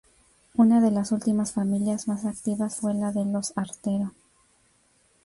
Una de las últimas familias más activas fue la de los Artero.